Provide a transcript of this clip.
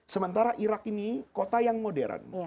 sementara irak ini kota yang modern